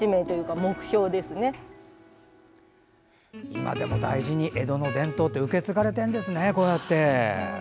今でも大事に江戸の伝統って受け継がれているんですね。